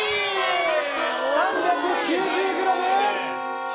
３９０ｇ！